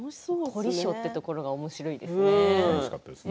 凝り性というところがおもしろいですね。